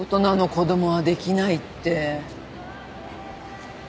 子供はできないって。